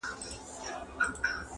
لکه پاڼه د خزان باد به مي یوسي-